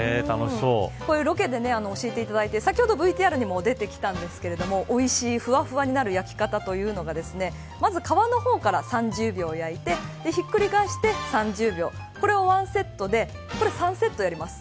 ロケで教えていただいて先ほどＶＴＲにも出てきたんですがおいしい、ふわふわになる焼き方というのがまず皮の方から３０秒焼いてひっくり返して３０秒これを１セットとして３セットやります。